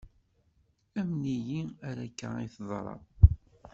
Amen-iyi ar akka i teḍra.